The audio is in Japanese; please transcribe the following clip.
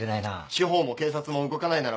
司法も警察も動かないなら